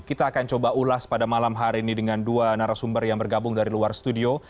kita akan coba ulas pada malam hari ini dengan dua narasumber yang bergabung dari luar studio